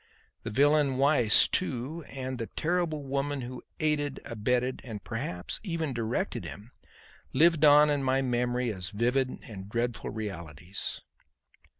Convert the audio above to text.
The villain Weiss, too, and the terrible woman who aided, abetted and, perhaps, even directed him, lived in my memory as vivid and dreadful realities.